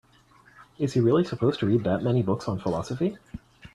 Is he really supposed to read that many books on philosophy?